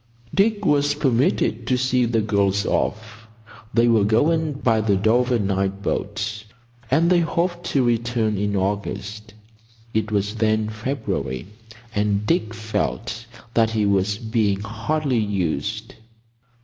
Dick was permitted to see the girls off. They were going by the Dover night boat; and they hoped to return in August. It was then February, and Dick felt that he was being hardly used.